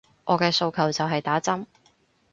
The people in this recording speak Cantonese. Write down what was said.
我嘅訴求就係打針